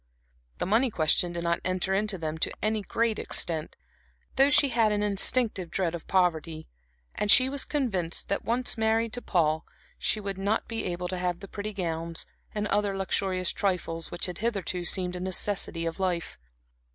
The money question did not enter into them to any great extent, though she had an instinctive dread of poverty, and she was convinced that, if once married to Paul, she would not be able to have the pretty gowns, and other luxurious trifles, which had hitherto seemed a necessity of life.